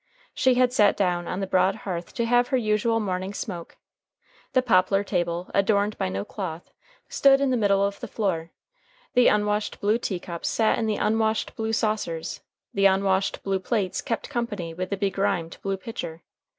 She had sat down on the broad hearth to have her usual morning smoke; the poplar table, adorned by no cloth, stood in the middle of the floor; the unwashed blue teacups sat in the unwashed blue saucers; the unwashed blue plates kept company with the begrimed blue pitcher.